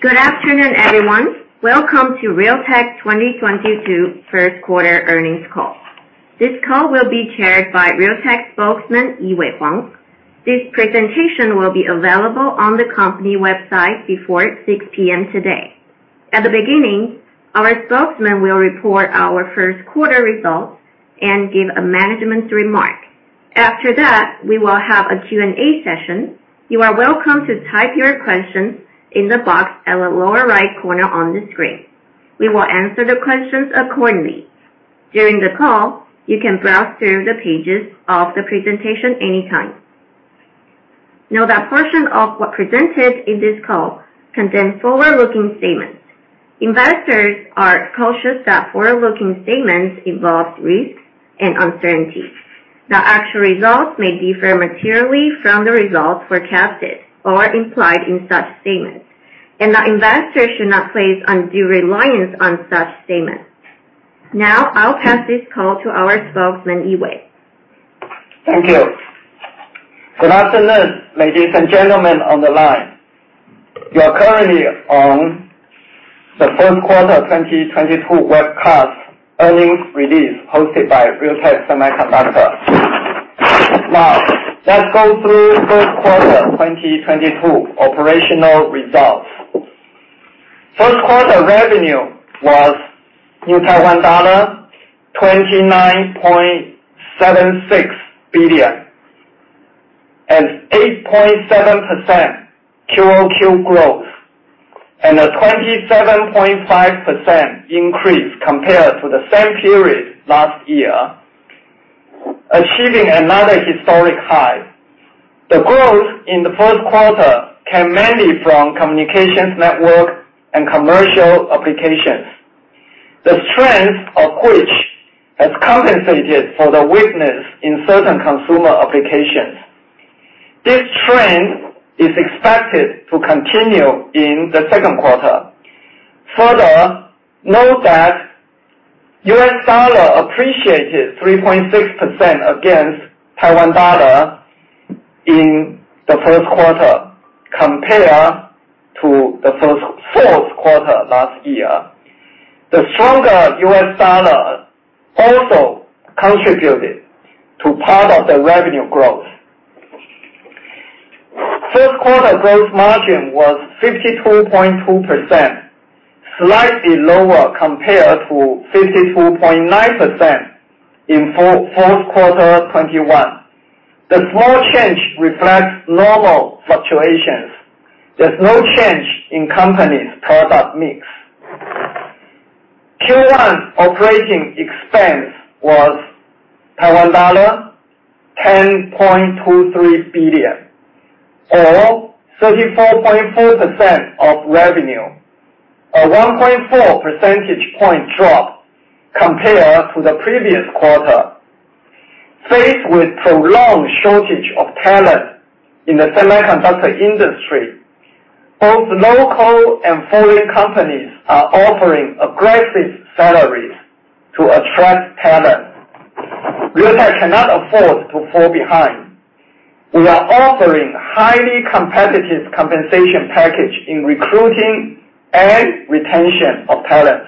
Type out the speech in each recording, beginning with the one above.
Good afternoon, everyone. Welcome to Realtek 2022 First Quarter Earnings Call. This call will be chaired by Realtek spokesman, Yee-Wei Huang. This presentation will be available on the company website before 6 P.M. today. At the beginning, our spokesman will report our first quarter results and give a management remark. After that, we will have a Q&A session. You are welcome to type your questions in the box at the lower right corner on the screen. We will answer the questions accordingly. During the call, you can browse through the pages of the presentation anytime. Note that a portion of what is presented in this call contains forward-looking statements. Investors are cautioned that forward-looking statements involve risks and uncertainties. The actual results may differ materially from the results forecasted or implied in such statements. That investors should not place undue reliance on such statements. Now, I'll pass this call to our spokesman, Yee-Wei. Thank you. Good afternoon, ladies and gentlemen on the line. You are currently on the first quarter 2022 webcast earnings release hosted by Realtek Semiconductor. Now, let's go through first quarter 2022 operational results. First quarter revenue was Taiwan dollar 29.76 billion, and 8.7% QOQ growth, and a 27.5% increase compared to the same period last year, achieving another historic high. The growth in the first quarter came mainly from communications network and commercial applications, the strength of which has compensated for the weakness in certain consumer applications. This trend is expected to continue in the second quarter. Further, note that U.S. dollar appreciated 3.6% against Taiwan dollar in the first quarter compared to the fourth quarter last year. The stronger U.S. dollar also contributed to part of the revenue growth. First quarter gross margin was 52.2%, slightly lower compared to 52.9% in fourth quarter 2021. The small change reflects normal fluctuations. There's no change in company's product mix. Q1 operating expense was TWD 10.23 billion or 34.4% of revenue. A 1.4 percentage point drop compared to the previous quarter. Faced with prolonged shortage of talent in the semiconductor industry, both local and foreign companies are offering aggressive salaries to attract talent. Realtek cannot afford to fall behind. We are offering highly competitive compensation package in recruiting and retention of talents.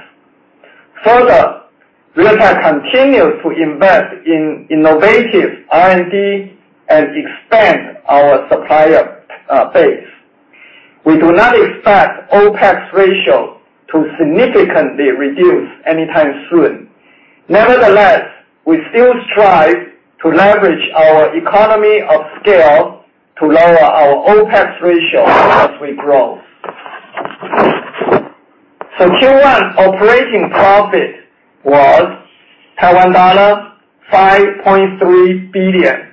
Further, Realtek continues to invest in innovative R&D and expand our supplier base. We do not expect OpEx ratio to significantly reduce anytime soon. Nevertheless, we still strive to leverage our economy of scale to lower our OpEx ratio as we grow. Q1 operating profit was TWD 5.3 billion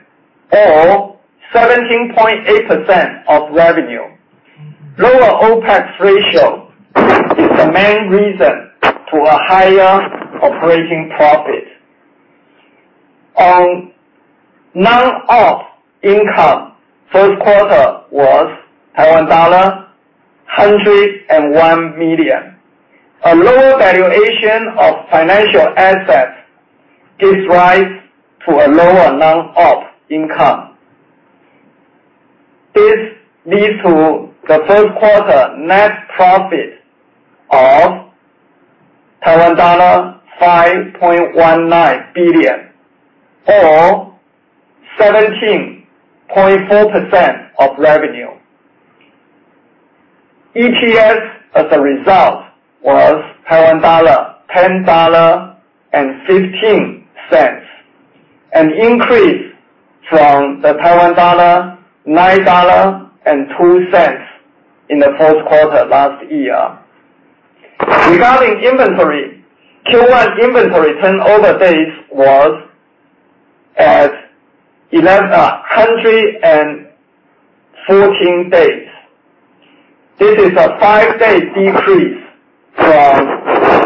or 17.8% of revenue. Lower OpEx ratio is the main reason to a higher operating profit. On non-op income, first quarter was Taiwan dollar 101 million. A lower valuation of financial assets gives rise to a lower non-op income. This leads to the first quarter net profit of Taiwan dollar 5.19 billion or 17.4% of revenue. EPS as a result was 10.15 dollar, an increase from 9.02 dollar in the first quarter last year. Regarding inventory, Q1 inventory turnover days was at 114 days. This is a five-day decrease from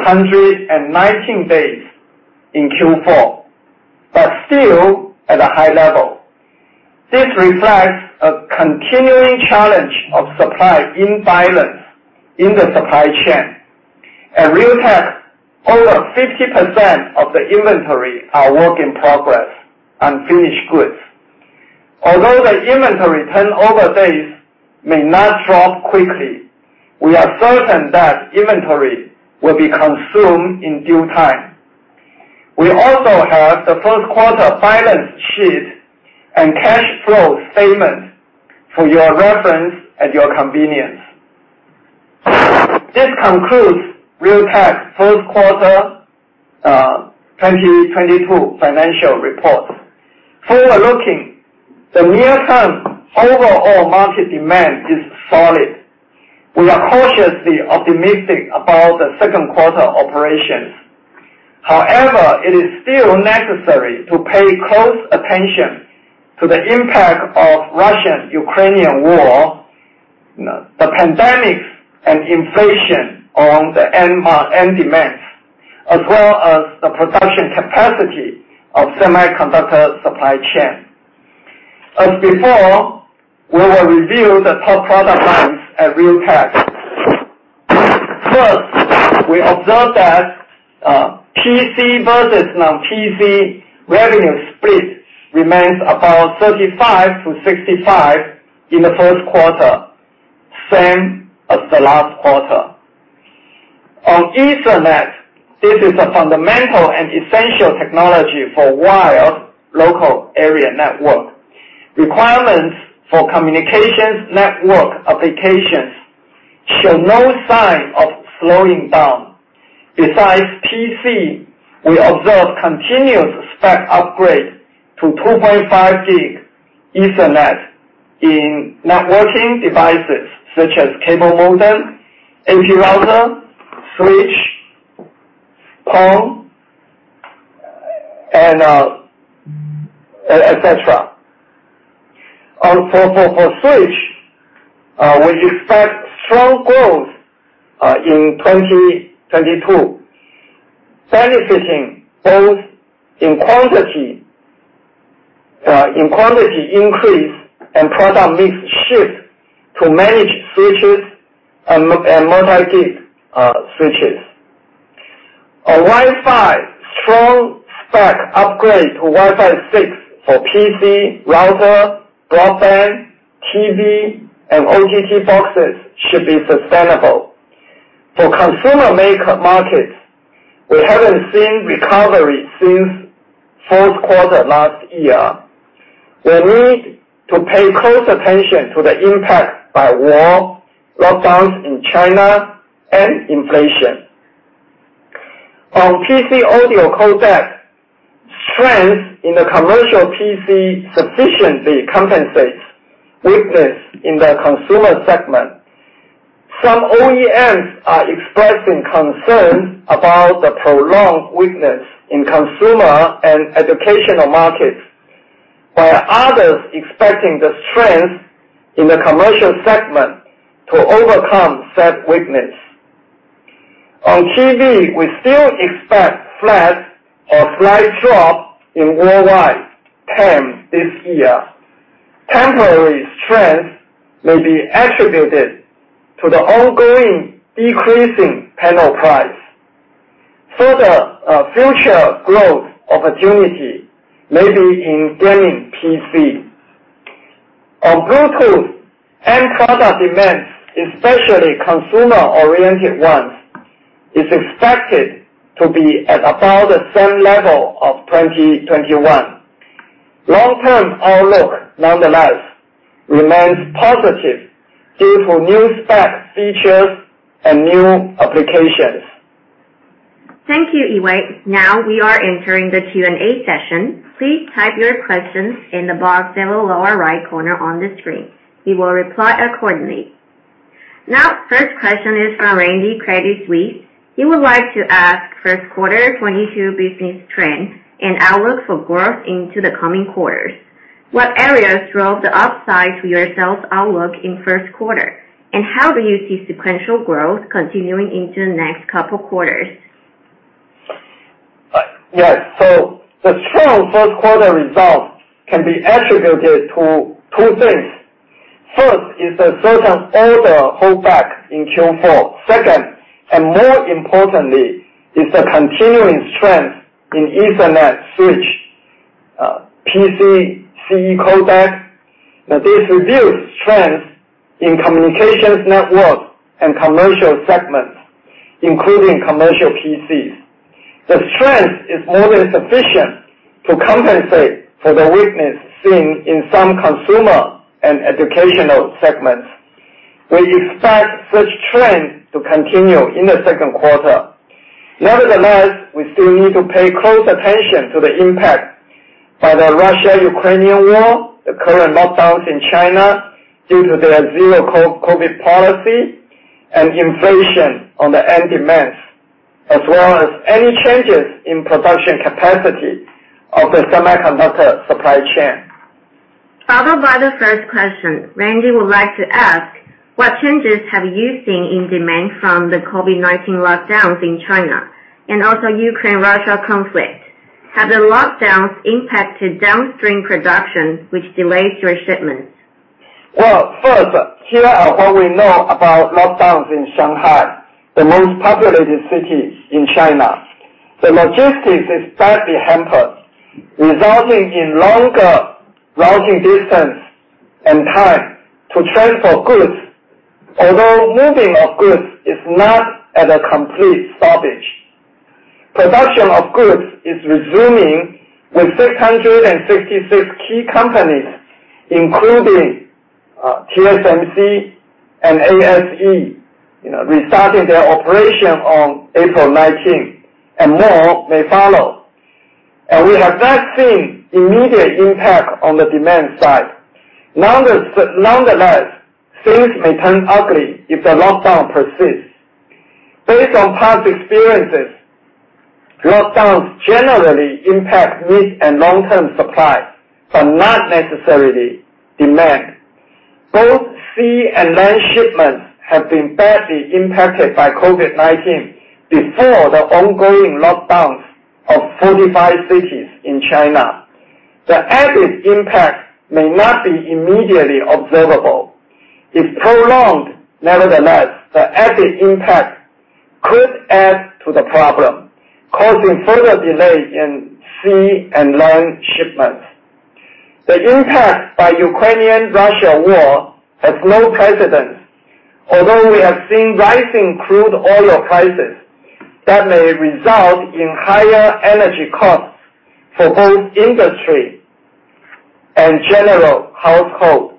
119 days in Q4, but still at a high level. This reflects a continuing challenge of supply imbalance in the supply chain. At Realtek, over 50% of the inventory are work in progress, unfinished goods. Although the inventory turnover days may not drop quickly, we are certain that inventory will be consumed in due time. We also have the first quarter balance sheet and cash flow statement for your reference at your convenience. This concludes Realtek's first quarter 2022 financial report. Forward looking, the near-term overall market demand is solid. We are cautiously optimistic about the second quarter operations. However, it is still necessary to pay close attention to the impact of Russian-Ukrainian War, the pandemic and inflation on the end demand, as well as the production capacity of semiconductor supply chain. As before, we will review the top product lines at Realtek. First, we observed that PC versus non-PC revenue split remains about 35%-65% in the first quarter, same as the last quarter. On Ethernet, this is a fundamental and essential technology for wired local area network. Requirements for communications network applications show no sign of slowing down. Besides PC, we observe continuous spec upgrade to 2.5G Ethernet in networking devices such as cable modem, AP router, switch, phone and et cetera. For switch, we expect strong growth in 2022, benefiting both in quantity increase and product mix shift to managed switches and multi-gig switches. On Wi-Fi, strong spec upgrade to Wi-Fi 6 for PC, router, broadband, TV and OTT boxes should be sustainable. For consumer markets, we haven't seen recovery since fourth quarter last year. We need to pay close attention to the impact by war, lockdowns in China and inflation. On PC audio codec, strength in the commercial PC sufficiently compensates weakness in the consumer segment. Some OEMs are expressing concern about the prolonged weakness in consumer and educational markets, while others expecting the strength in the commercial segment to overcome said weakness. On TV, we still expect flat or slight drop in worldwide TAM this year. Temporary strength may be attributed to the ongoing decreasing panel price. Further, future growth opportunity may be in gaming PC. On Bluetooth, end-product demands, especially consumer-oriented ones, is expected to be at about the same level of 2021. Long-term outlook, nonetheless, remains positive due to new spec features and new applications. Thank you, Yee-Wei. Now we are entering the Q&A session. Please type your questions in the box in the lower right corner on the screen. We will reply accordingly. Now, first question is from Randy, Credit Suisse. He would like to ask first quarter 2022 business trends and outlook for growth into the coming quarters. What areas drove the upside to your sales outlook in first quarter, and how do you see sequential growth continuing into the next couple quarters? Yes. The strong first quarter results can be attributed to two things. First is the certain order holdback in Q4. Second, and more importantly, is the continuing strength in Ethernet switch, PC audio codec. This reveals strength in communications network and commercial segments, including commercial PCs. The strength is more than sufficient to compensate for the weakness seen in some consumer and educational segments. We expect such trends to continue in the second quarter. Nevertheless, we still need to pay close attention to the impact by the Russo-Ukrainian War, the current lockdowns in China due to their zero-COVID policy and inflation on the end demands, as well as any changes in production capacity of the semiconductor supply chain. Followed by the first question. Randy would like to ask, what changes have you seen in demand from the COVID-19 lockdowns in China and also Ukraine-Russia conflict? Have the lockdowns impacted downstream production, which delays your shipments? Well, first, here are what we know about lockdowns in Shanghai, the most populated city in China. The logistics is badly hampered, resulting in longer routing distance and time to transport goods. Although moving of goods is not at a complete stoppage. Production of goods is resuming with 666 key companies, including TSMC and ASE, you know, restarting their operation on April 19, and more may follow. We have not seen immediate impact on the demand side. Nonetheless, things may turn ugly if the lockdown persists. Based on past experiences, lockdowns generally impact mid- and long-term supply, but not necessarily demand. Both sea and land shipments have been badly impacted by COVID-19 before the ongoing lockdowns of 45 cities in China. The added impact may not be immediately observable. If prolonged, nevertheless, the added impact could add to the problem, causing further delay in sea and land shipments. The impact by Ukraine-Russia war has no precedent, although we have seen rising crude oil prices that may result in higher energy costs for both industry and general household.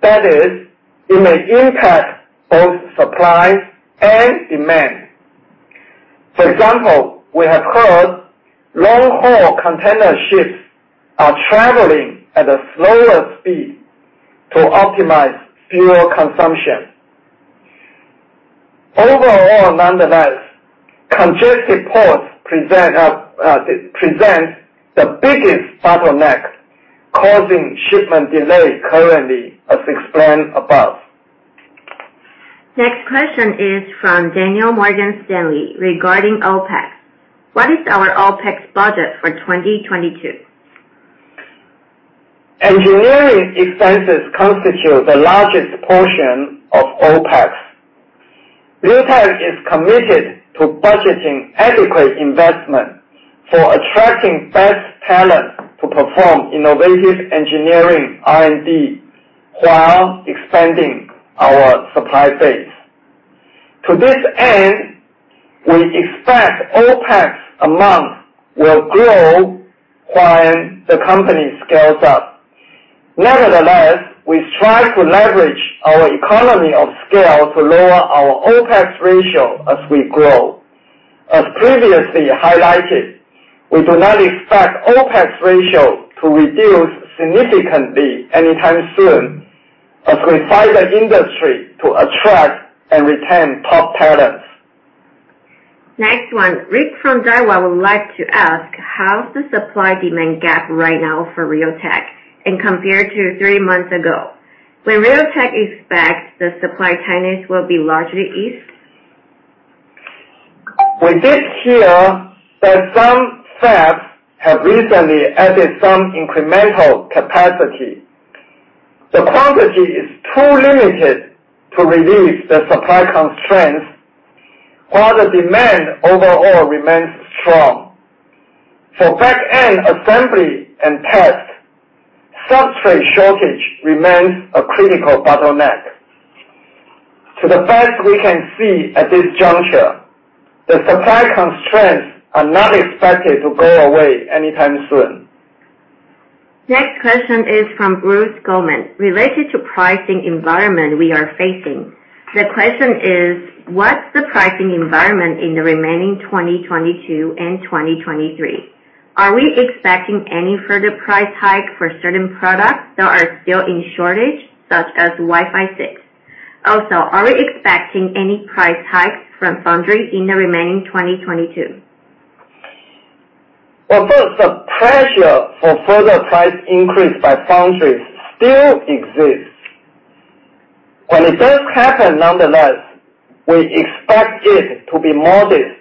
That is, it may impact both supply and demand. For example, we have heard long-haul container ships are traveling at a slower speed to optimize fuel consumption. Overall, nonetheless, congested ports presents the biggest bottleneck, causing shipment delay currently as explained above. Next question is from Daniel Yen, Morgan Stanley, regarding OpEx. What is our OpEx budget for 2022? Engineering expenses constitute the largest portion of OpEx. Realtek is committed to budgeting adequate investment for attracting best talent to perform innovative engineering R&D while expanding our supply base. To this end, we expect OpEx amount will grow when the company scales up. Nevertheless, we strive to leverage our economy of scale to lower our OpEx ratio as we grow. As previously highlighted, we do not expect OpEx ratio to reduce significantly anytime soon as we fight the industry to attract and retain top talents. Next one. Rick from Daiwa would like to ask, how's the supply-demand gap right now for Realtek and compared to three months ago? When Realtek expects the supply tightness will be largely eased? We did hear that some fabs have recently added some incremental capacity. The quantity is too limited to relieve the supply constraints while the demand overall remains strong. For back-end assembly and test, substrate shortage remains a critical bottleneck. To the best we can see at this juncture, the supply constraints are not expected to go away anytime soon. Next question is from Bruce Lu. Related to pricing environment we are facing, the question is, what's the pricing environment in the remaining 2022 and 2023? Are we expecting any further price hike for certain products that are still in shortage, such as Wi-Fi 6? Also, are we expecting any price hikes from foundry in the remaining 2022? Well, Bruce, the pressure for further price increase by foundries still exists. When it does happen, nonetheless, we expect it to be modest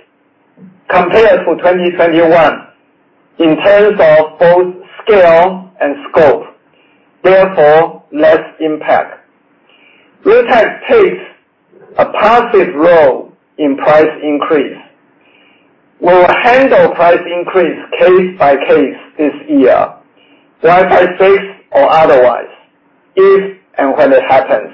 compared to 2021 in terms of both scale and scope, therefore less impact. Realtek takes a passive role in price increase. We'll handle price increase case by case this year, Wi-Fi 6 or otherwise, if and when it happens.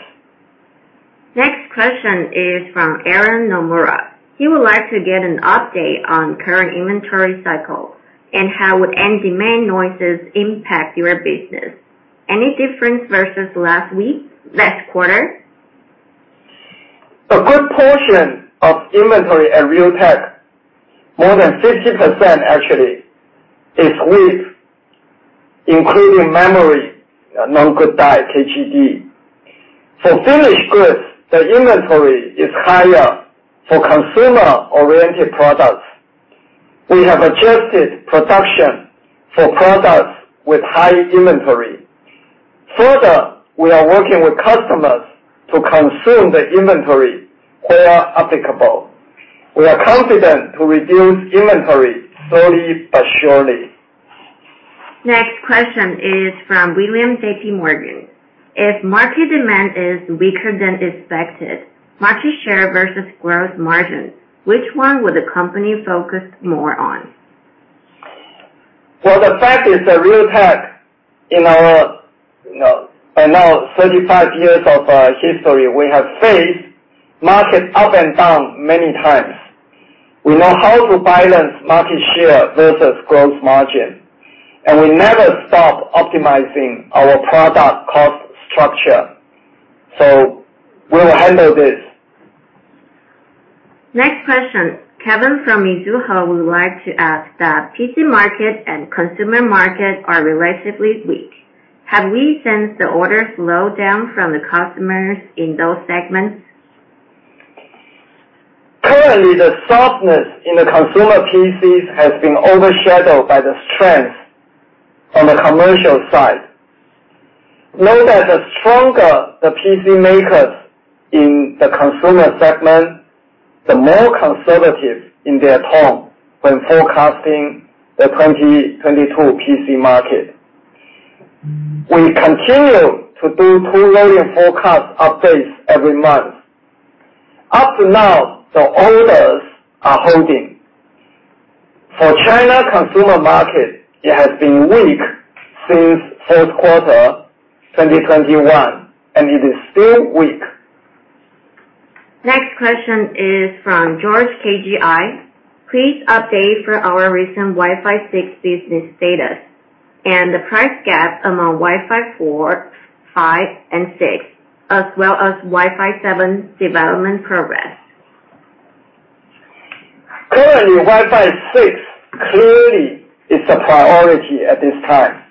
Next question is from Aaron Jeng. He would like to get an update on current inventory cycle and how would any demand noises impact your business? Any difference versus last week, last quarter? A good portion of inventory at Realtek, more than 50% actually, is with, including memory, known-good die, KGD. For finished goods, the inventory is higher for consumer-oriented products. We have adjusted production for products with high inventory. Further, we are working with customers to consume the inventory where applicable. We are confident to reduce inventory slowly but surely. Next question is from William, JPMorgan. If market demand is weaker than expected, market share versus gross margin, which one would the company focus more on? Well, the fact is that Realtek, in our, you know, by now 35 years of history, we have faced market up and down many times. We know how to balance market share versus gross margin, and we never stop optimizing our product cost structure. We will handle this. Next question. Kevin from Mizuho would like to ask that PC market and consumer market are relatively weak. Have we sensed the orders slow down from the customers in those segments? Currently, the softness in the consumer PCs has been overshadowed by the strength on the commercial side. Note that the stronger the PC makers in the consumer segment, the more conservative in their tone when forecasting the 2022 PC market. We continue to do 2 volume forecast updates every month. Up to now, the orders are holding. For China consumer market, it has been weak since fourth quarter 2021 and it is still weak. Next question is from George, KGI. Please update on our recent Wi-Fi 6 business status and the price gap among Wi-Fi 4, 5, and 6, as well as Wi-Fi 7 development progress? Currently, Wi-Fi 6 clearly is a priority at this time.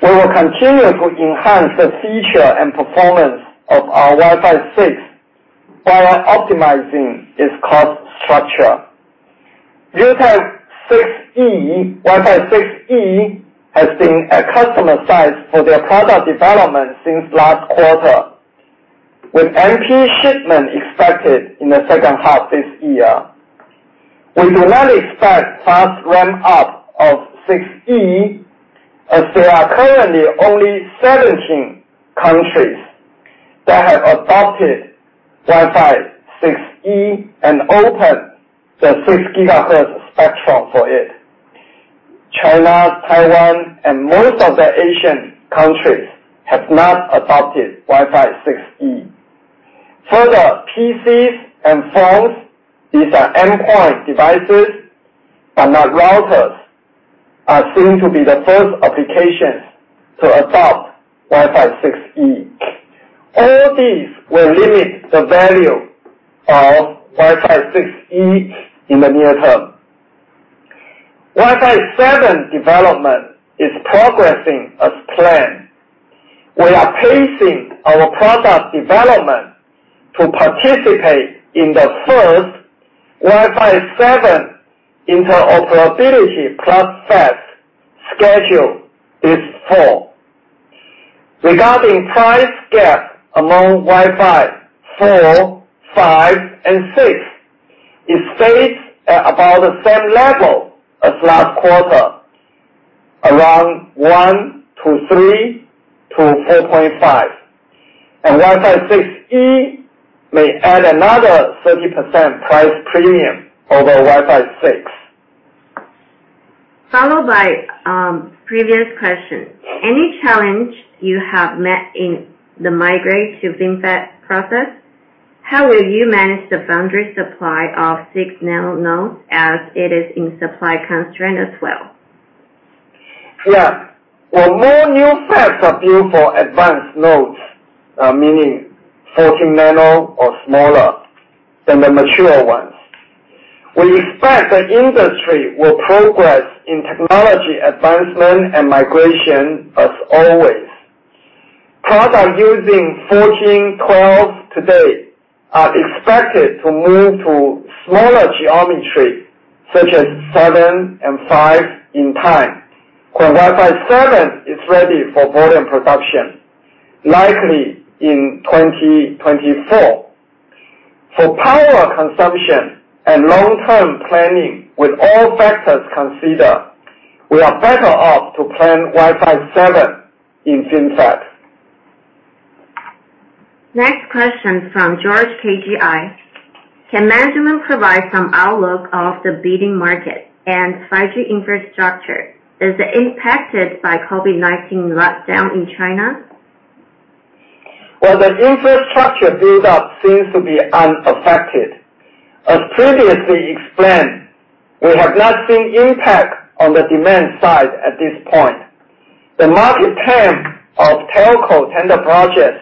We will continue to enhance the feature and performance of our Wi-Fi 6 while optimizing its cost structure. Realtek 6E, Wi-Fi 6E has been at customer sites for their product development since last quarter, with MP shipment expected in the second half this year. We do not expect fast ramp-up of 6E, as there are currently only 17 countries that have adopted Wi-Fi 6E and opened the 6 GHz spectrum for it. China, Taiwan, and most of the Asian countries have not adopted Wi-Fi 6E. Further, PCs and phones, these are endpoint devices, but not routers, are soon to be the first applications to adopt Wi-Fi 6E. All these will limit the value of Wi-Fi 6E in the near term. Wi-Fi 7 development is progressing as planned. We are pacing our product development to participate in the first Wi-Fi 7 interoperability plus test scheduled this fall. Regarding price gap among Wi-Fi 4, 5, and 6, it stays at about the same level as last quarter, around 1% to 3% to 4.5%. Wi-Fi 6E may add another 30% price premium over Wi-Fi 6. Followed by previous question. Any challenge you have met in the migration to FinFET process? How will you manage the foundry supply of 6nm nodes as it is in supply constraint as well? Yeah. Well, more new fabs are built for advanced nodes, meaning 14 nano or smaller than the mature ones. We expect the industry will progress in technology advancement and migration as always. Products using 14, 12 today are expected to move to smaller geometry, such as 7 and 5 in time, when Wi-Fi 7 is ready for volume production, likely in 2024. For power consumption and long-term planning with all factors considered, we are better off to plan Wi-Fi 7 in FinFET. Next question from George, KGI. Can management provide some outlook of the bidding market and 5G infrastructure? Is it impacted by COVID-19 lockdown in China? Well, the infrastructure build-up seems to be unaffected. As previously explained, we have not seen impact on the demand side at this point. The market term of telco tender projects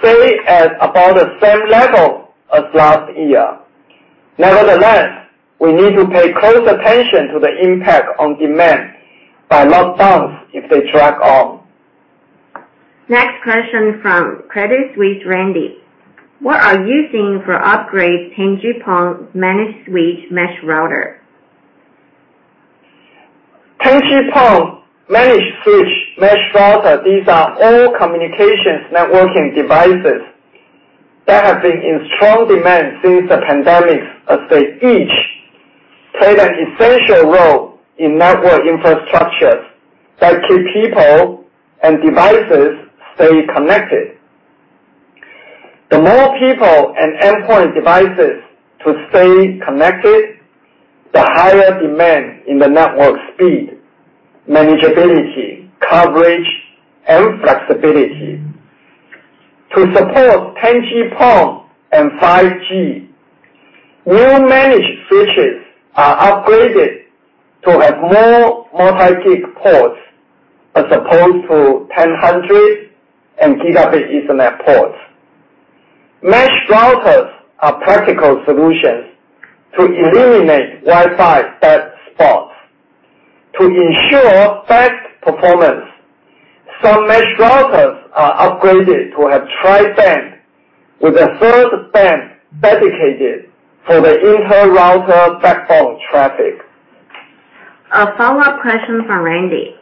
stay at about the same level as last year. Nevertheless, we need to pay close attention to the impact on demand by lockdowns if they drag on. Next question from Credit Suisse, Randy. What are you seeing for upgrade 10G PON managed switch mesh router? 10G PON managed switch mesh router. These are all communications networking devices that have been in strong demand since the pandemic, as they each play an essential role in network infrastructure that keep people and devices stay connected. The more people and endpoint devices to stay connected, the higher demand in the network speed, manageability, coverage, and flexibility. To support 10G PON and 5G, new managed switches are upgraded to have more multi-gig ports as opposed to 10/100 and gigabit Ethernet ports. Mesh routers are practical solutions to eliminate Wi-Fi dead spots. To ensure best performance, some mesh routers are upgraded to have tri-band, with the third band dedicated for the inter-router backbone traffic. A follow-up question from Randy: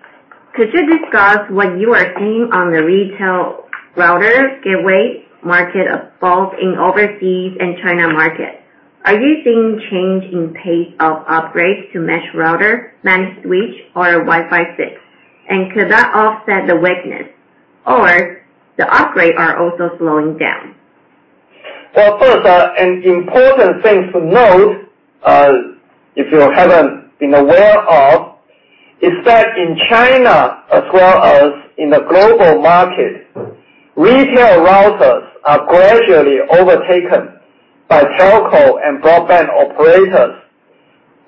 Could you discuss what you are seeing on the retail router gateway market, both in overseas and China market? Are you seeing change in pace of upgrades to mesh router, managed switch or Wi-Fi 6? Could that offset the weakness or the upgrade are also slowing down? Well, first, an important thing to note, if you haven't been aware of, is that in China, as well as in the global market, retail routers are gradually overtaken by telco and broadband operators,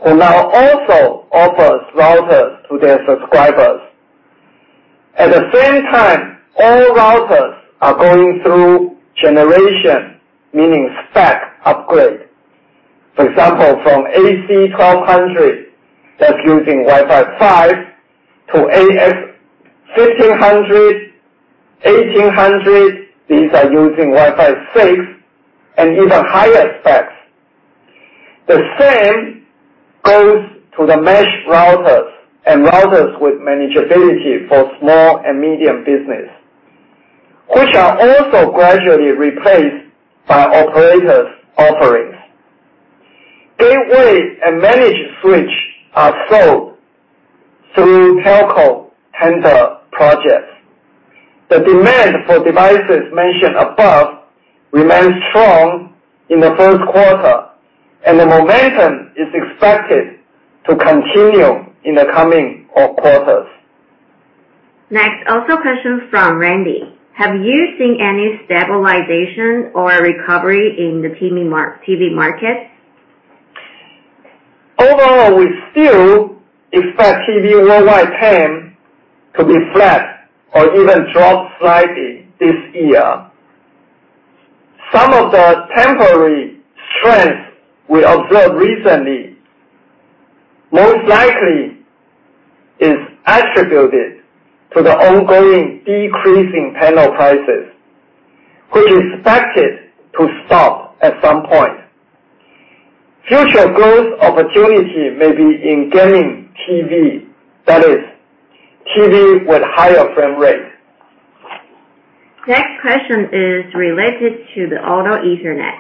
who now also offers routers to their subscribers. At the same time, all routers are going through generation, meaning spec upgrade. For example, from AC1200 that's using Wi-Fi 5 to AX1500, 1800. These are using Wi-Fi 6 and even higher specs. The same goes to the mesh routers and routers with manageability for small and medium business, which are also gradually replaced by operators offerings. Gateway and managed switch are sold through telco tender projects. The demand for devices mentioned above remains strong in the first quarter, and the momentum is expected to continue in the coming quarters. Next, also question from Randy: Have you seen any stabilization or recovery in the TV market? Overall, we still expect TV worldwide TAM to be flat or even drop slightly this year. Some of the temporary strength we observed recently most likely is attributed to the ongoing decrease in panel prices, which is expected to stop at some point. Future growth opportunity may be in gaming TV. That is, TV with higher frame rate. Next question is related to the Auto Ethernet.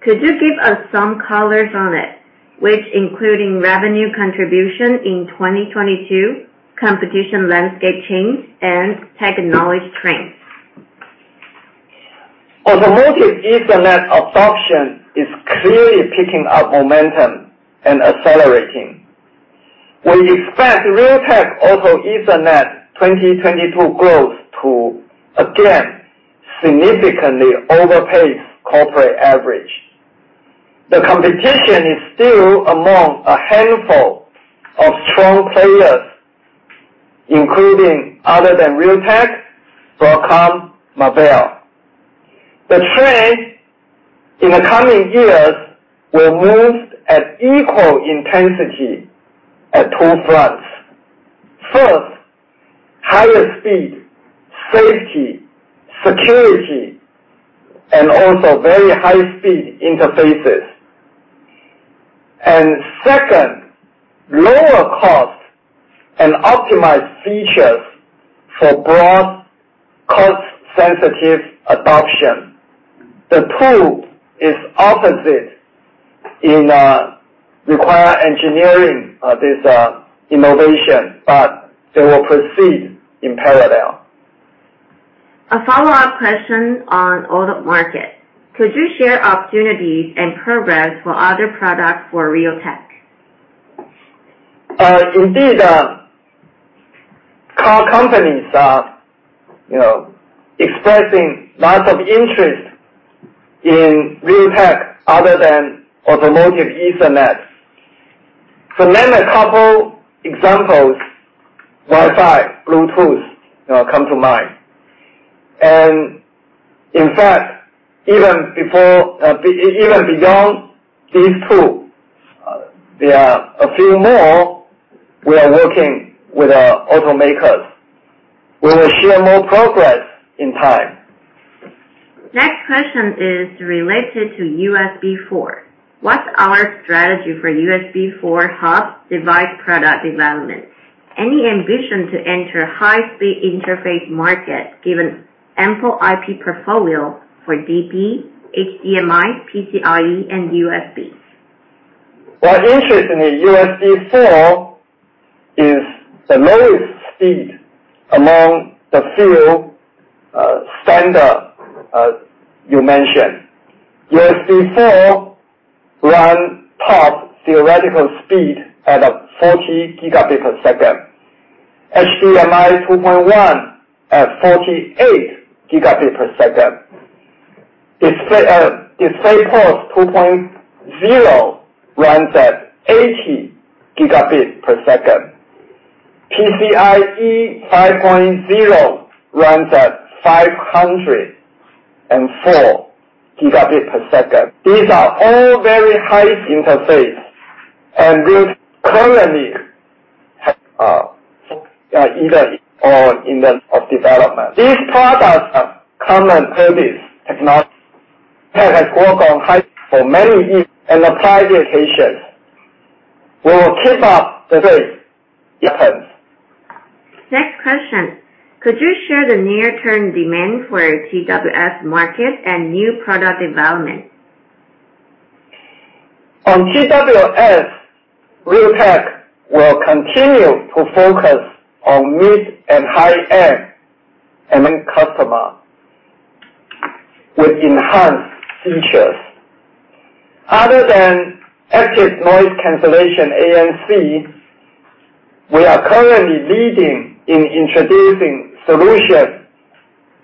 Could you give us some colors on it, which including revenue contribution in 2022, competition landscape change and technology trends? Automotive Ethernet absorption is clearly picking up momentum and accelerating. We expect Realtek Auto Ethernet 2022 growth to again significantly overpace corporate average. The competition is still among a handful of strong players, including, other than Realtek, Broadcom, Marvell. The trend in the coming years will move at equal intensity at two fronts. First, higher speed, safety, security, and also very high speed interfaces. Second, lower cost and optimized features for broad cost-sensitive adoption. The two is opposite in require engineering this innovation, but they will proceed in parallel. A follow-up question on auto market. Could you share opportunities and progress for other products for Realtek? Indeed, car companies are, you know, expressing lots of interest in Realtek other than automotive Ethernet. To name a couple examples, Wi-Fi, Bluetooth, you know, come to mind. In fact, even before, even beyond these two, there are a few more we are working with automakers. We will share more progress in time. Next question is related to USB4. What's our strategy for USB4 hub device product development? Any ambition to enter high-speed interface market given ample IP portfolio for DP, HDMI, PCIe, and USB? Well, interestingly, USB4 is the lowest speed among the few standard you mentioned. USB4 runs top theoretical speed at 40 Gbps. HDMI 2.1 at 48 Gbps. DisplayPort 2.0 runs at 80 Gbps. PCIe 5.0 runs at 504 Gbps. These are all very high interface and Realtek currently have focus either on in the of development. These products are common purpose technology. Realtek has worked on high for many years and applied the attention. We will keep up the pace. Next question. Could you share the near-term demand for TWS market and new product development? On TWS, Realtek will continue to focus on mid and high-end customer with enhanced features. Other than active noise cancellation, ANC, we are currently leading in introducing solutions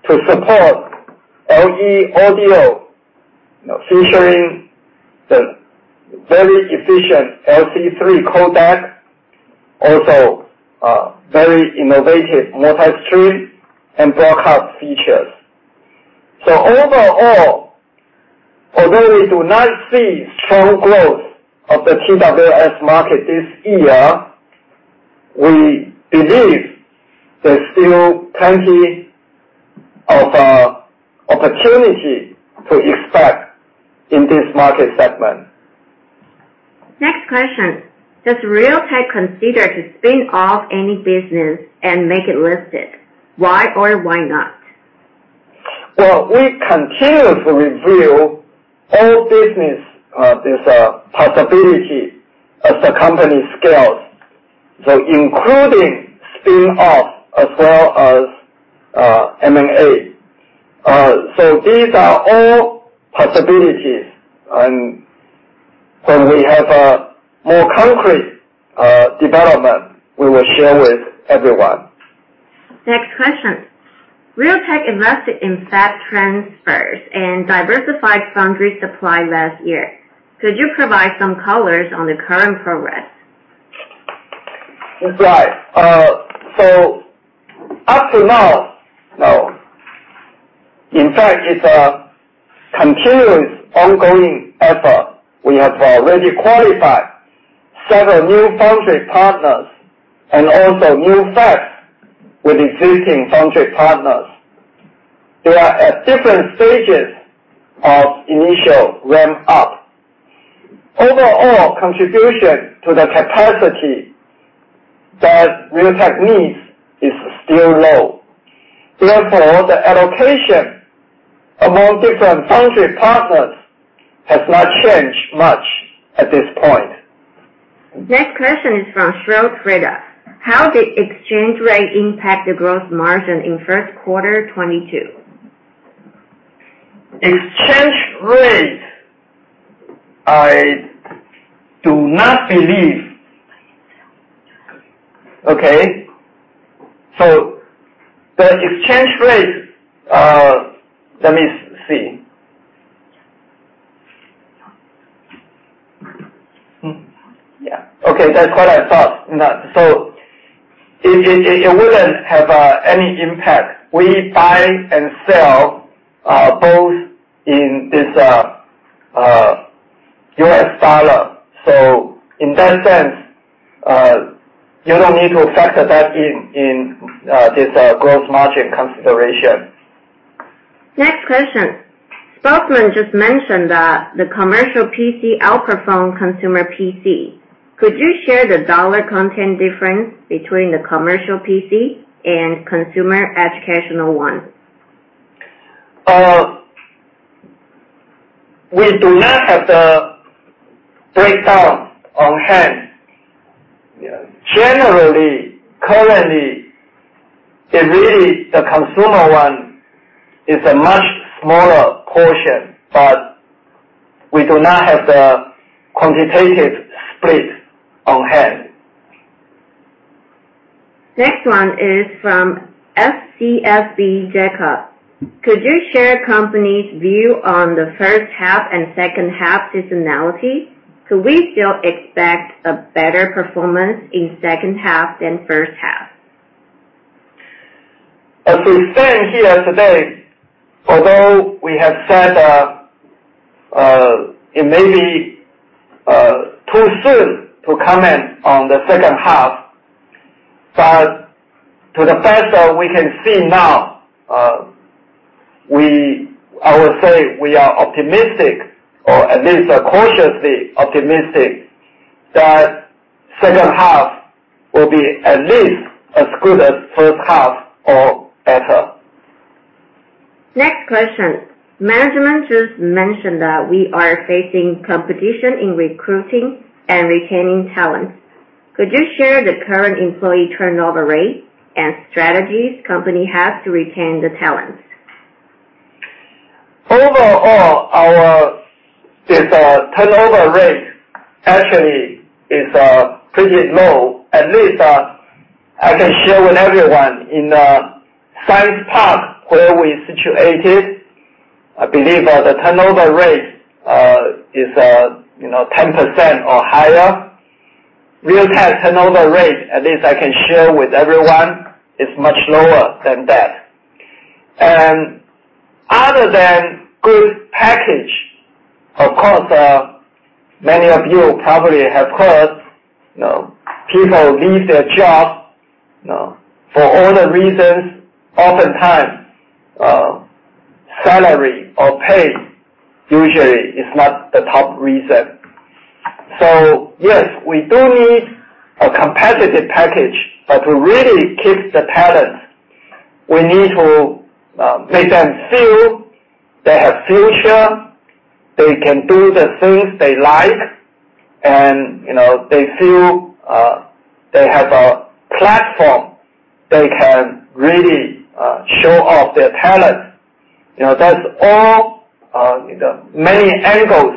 to support LE Audio, you know, featuring the very efficient LC3 codec, also very innovative multipath stream and broadcast features. Overall, although we do not see strong growth of the TWS market this year, we believe there's still plenty of opportunity to expect in this market segment. Next question. Does Realtek consider to spin off any business and make it listed? Why or why not? Well, we continuously review all business. There's a possibility as the company scales, including spin off as well as M&A. These are all possibilities and when we have a more concrete development, we will share with everyone. Next question. Realtek invested in fab transfers and diversified foundry supply last year. Could you provide some colors on the current progress? Right. Up to now, no. In fact, it's a continuous ongoing effort. We have already qualified several new foundry partners and also new fabs with existing foundry partners. They are at different stages of initial ramp up. Overall contribution to the capacity that Realtek needs is still low. Therefore, the allocation among different foundry partners has not changed much at this point. Next question is from Schroders. How did exchange rate impact the gross margin in first quarter 2022? Exchange rate, I do not believe. The exchange rate. That's what I thought. No. It wouldn't have any impact. We buy and sell both in U.S. dollar. In that sense, you don't need to factor that in this gross margin consideration. Next question. Spokesman just mentioned that the commercial PC outperformed consumer PC. Could you share the dollar content difference between the commercial PC and consumer educational one? We do not have the breakdown on hand. Yeah. Generally, currently, it really, the consumer one is a much smaller portion, but we do not have the quantitative split on hand. Next one is from HSBC Jacob. Could you share the company's view on the first half and second half seasonality? Could we still expect a better performance in the second half than the first half? As we stand here today, although we have said, it may be too soon to comment on the second half, but to the best that we can see now, I would say we are optimistic or at least cautiously optimistic that second half will be at least as good as first half or better. Next question. Management just mentioned that we are facing competition in recruiting and retaining talent. Could you share the current employee turnover rate and strategies company has to retain the talent? Overall, turnover rate actually is pretty low. At least, I can share with everyone in the science park where we're situated, I believe the turnover rate is you know, 10% or higher. Realtek turnover rate, at least I can share with everyone, is much lower than that. Other than good package, of course, many of you probably have heard, you know, people leave their jobs, you know, for all the reasons. Oftentimes, salary or pay usually is not the top reason. Yes, we do need a competitive package, but to really keep the talent, we need to make them feel they have future, they can do the things they like, and, you know, they feel they have a platform they can really show off their talent. You know, that's all the many angles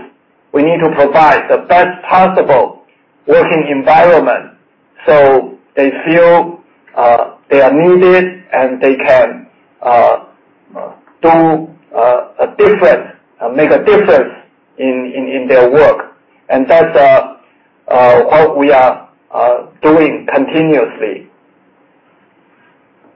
we need to provide the best possible working environment, so they feel they are needed and they can make a difference in their work. That's how we are doing continuously.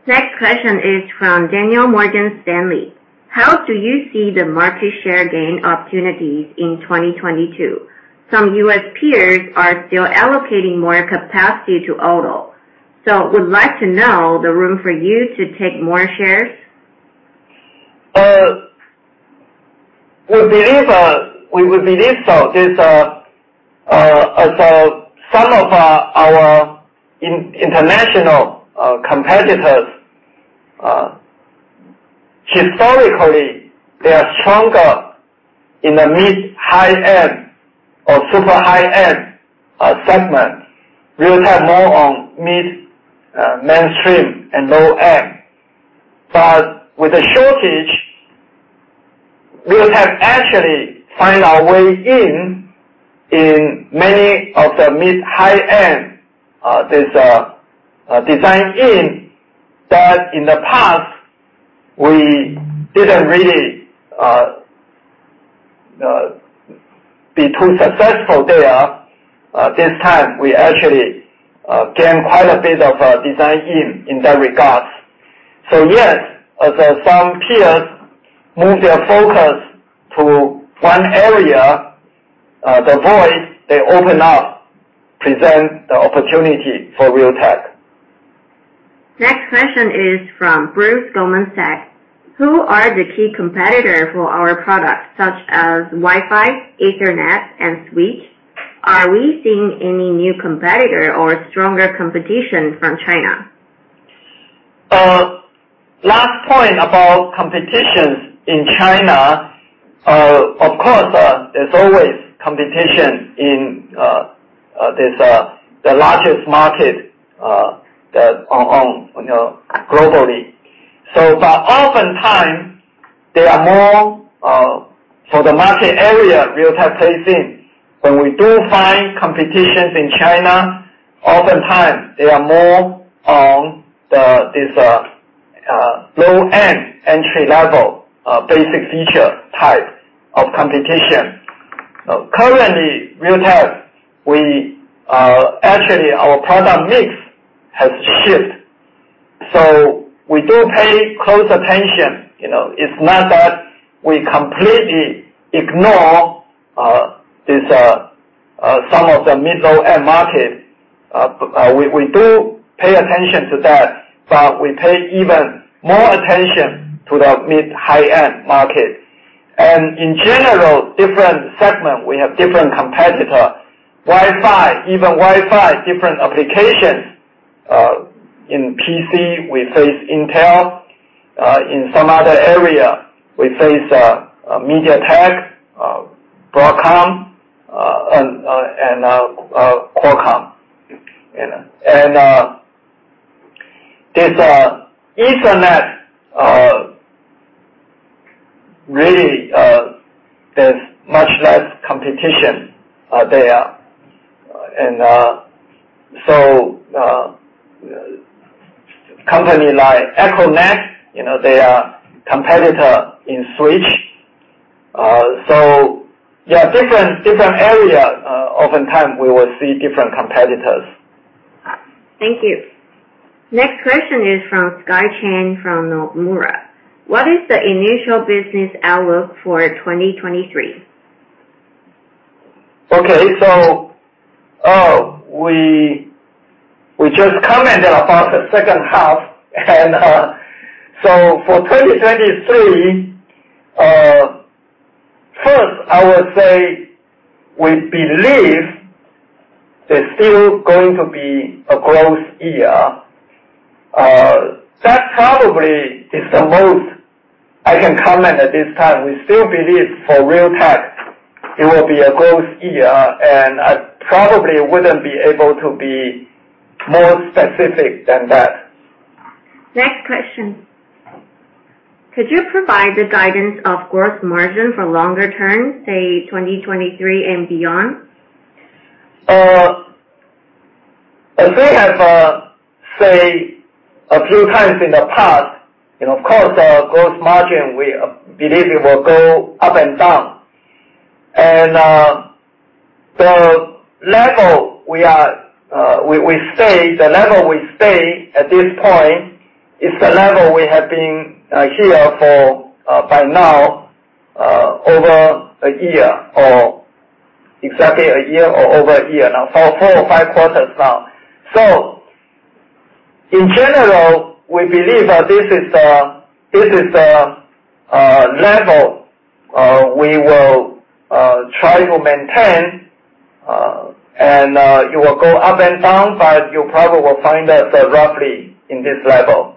Next question is from Daniel, Morgan Stanley. How do you see the market share gain opportunities in 2022? Some U.S. peers are still allocating more capacity to auto. Would like to know the room for you to take more shares. We believe so. There are some of our international competitors, historically, they are stronger in the mid, high-end or super high-end segment. Realtek more on mid, mainstream and low-end. With the shortage, Realtek actually find our way in many of the mid, high-end design-in that in the past we didn't really be too successful there. This time, we actually gained quite a bit of design-in in that regards. Yes, as some peers move their focus to one area, the void they open up present the opportunity for Realtek. Next question is from Bruce, Goldman Sachs. Who are the key competitor for our products such as Wi-Fi, Ethernet, and switch? Are we seeing any new competitor or stronger competition from China? Last point about competition in China. Of course, there's always competition in the largest market, you know, globally. But oftentimes, they are more for the market area Realtek plays in. When we do find competition in China, oftentimes they are more on the low-end, entry-level, basic feature type of competition. Currently, Realtek, we actually our product mix has shifted. We do pay close attention. You know, it's not that we completely ignore some of the mid, low-end market. We do pay attention to that, but we pay even more attention to the mid, high-end market. In general, different segment, we have different competitor. Wi-Fi, even Wi-Fi, different applications. In PC, we face Intel. In some other area, we face MediaTek, Broadcom, and Qualcomm. You know? This Ethernet really, there's much less competition there. Company like Aquantia, you know, they are competitor in switch. Yeah, different area, oftentimes we will see different competitors. Thank you. Next question is from Sky Chan from Nomura. What is the initial business outlook for 2023? We just commented about the second half and so for 2023, first I would say we believe it's still going to be a growth year. That probably is the most I can comment at this time. We still believe for Realtek it will be a growth year, and I probably wouldn't be able to be more specific than that. Next question. Could you provide the guidance of gross margin for longer term, say 2023 and beyond? As we have said a few times in the past, and of course our gross margin, we believe it will go up and down. The level we stay at this point is the level we have been here for by now over a year or exactly a year or over a year now for four or five quarters now. In general, we believe that this is the level we will try to maintain. It will go up and down, but you probably will find that roughly in this level.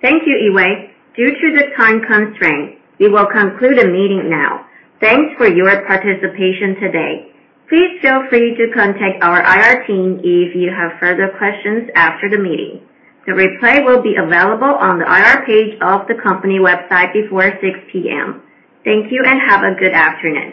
Thank you, Yee-Wei. Due to the time constraint, we will conclude the meeting now. Thanks for your participation today. Please feel free to contact our IR team if you have further questions after the meeting. The replay will be available on the IR page of the company website before 6 P.M. Thank you and have a good afternoon.